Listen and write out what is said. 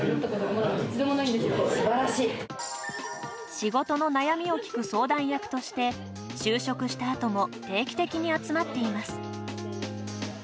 仕事の悩みを聞く相談役として就職したあとも定期的に集まっています。